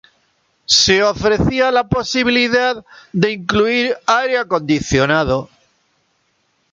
Se ofrecía la posibilidad de incluir aire acondicionado.